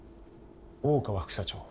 大川副社長